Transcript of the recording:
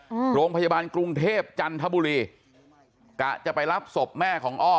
อืมโรงพยาบาลกรุงเทพจันทบุรีกะจะไปรับศพแม่ของอ้อ